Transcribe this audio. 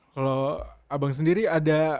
kalau abang sendiri ada